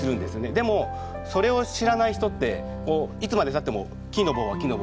でもそれを知らない人っていつまでたっても木の棒は木の棒なんです。